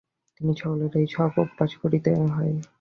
কিন্তু সকলকেই এ-সব অভ্যাস করিতে হয়।